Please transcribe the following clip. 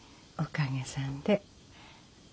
おかげさんで。